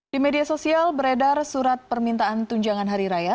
di media sosial beredar surat permintaan tunjangan hari raya